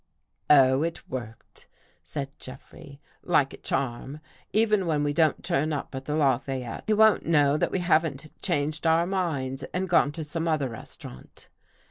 '' Oh, it worked," said Jeffrey, " like a charm. Even when we don't turn up at the Lafayette, he won't know that we haven't changed our minds and gone to some other restaurant."